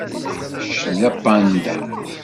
Kečč d apanda.